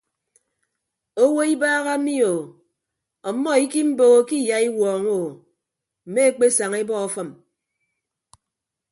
Owo ibaha mi o ọmmọ ikiimboho ke iyaiwuọñọ o mme ekpesaña ebọ afịm.